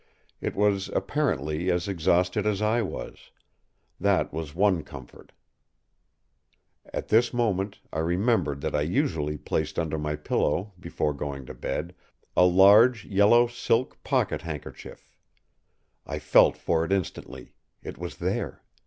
It was apparently as exhausted as I was; that was one comfort. At this moment I remembered that I usually placed under my pillow, before going to bed, a large yellow silk pocket handkerchief. I felt for it instantly; it was there.